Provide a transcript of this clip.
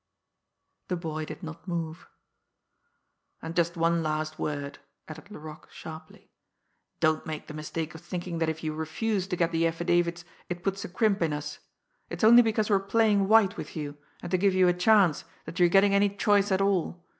The boy did not move. "And just one last word," added Laroque sharply. "Don't make the mistake of thinking that if you refuse to get the affidavits it puts a crimp in us. It's only because we're playing white with you, and to give you a chance, that you're getting any choice at all.